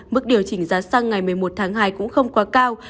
mức điều chỉnh giá xăng ngày một mươi một tháng hai cũng không quá cao